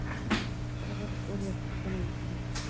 خلک به د پوهې غوښتنه وکړي.